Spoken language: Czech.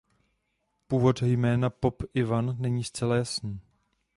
Původ jména „Pop Ivan“ není zcela jasný.